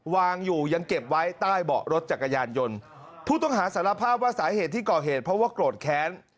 วางอยู่ยังเก็บไว้ใต้เบาะรถจักรยานยนต์ผู้ต้องหาสารภาพว่าสาเหตุที่ก่อเหตุเพราะว่าโกรธแค้น